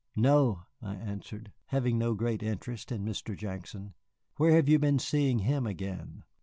"No," I answered, having no great interest in Mr. Jackson. "Where have you been seeing him again?"